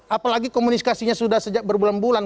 apalagi komunikasinya sudah sejak berbulan bulan